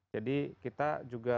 jadi kita juga